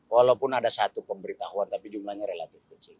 walaupun ada satu pemberitahuan tapi jumlahnya relatif kecil